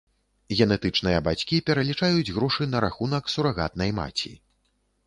Генетычныя бацькі пералічаюць грошы на рахунак сурагатнай маці.